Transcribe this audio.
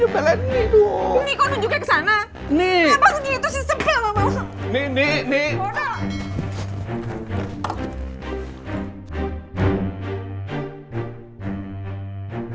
belain ini dong